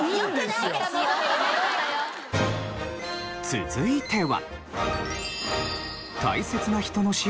続いては。